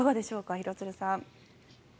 廣津留さん。